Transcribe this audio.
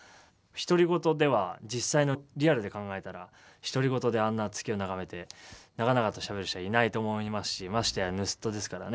独り言では実際のリアルで考えたら独り言であんな月を眺めて長々としゃべる人はいないと思いますしましてや盗人ですからね。